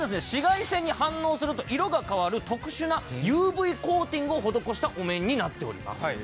紫外線に反応すると色が変わる特殊なＵＶコーティングを施したお面になっております。